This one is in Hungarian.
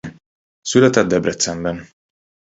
Született Debrecenben.